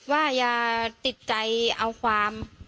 ว่าอย่าติดใจเอาความ